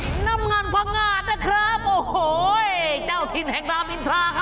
กรรมงานรี้เปล่านกวิคร่ายงมาก